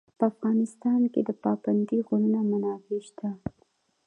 په افغانستان کې د پابندی غرونه منابع شته.